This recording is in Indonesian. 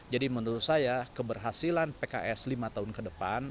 jadi menurut saya keberhasilan pks lima tahun ke depan